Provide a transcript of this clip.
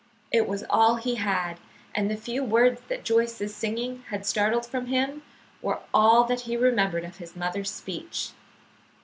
It was all he had, and the few words that Joyce's singing had startled from him were all that he remembered of his mother's speech.